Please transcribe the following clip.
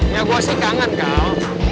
ya gue sih kangen kan